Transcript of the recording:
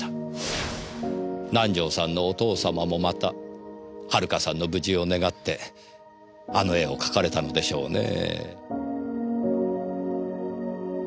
南条さんのお父様もまた遥さんの無事を願ってあの絵を描かれたのでしょうねぇ。